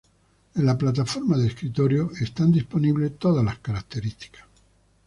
En la plataforma de escritorio están disponibles todas las características.